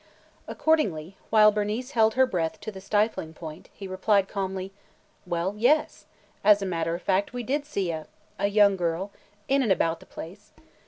Accordingly, while Bernice held her breath to the stifling point, he replied calmly: "Well, yes. As a matter of fact, we did see a – a young girl in and about the place.